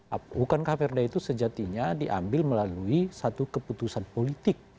bukankah perda itu sejatinya diambil melalui satu keputusan politik